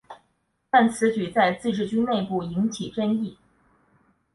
但此举在自治军内部引起争议。